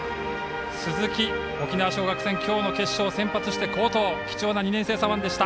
鈴木、沖縄尚学戦今日の決勝、先発した貴重な２年生左腕。